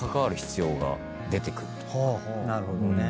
なるほどね。